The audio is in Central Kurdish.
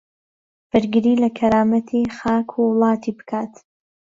بەرگری لە کەرامەتی خاک و وڵاتی بکات